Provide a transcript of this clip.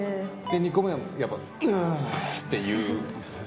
２個目はやっぱ、ぬわーって言う。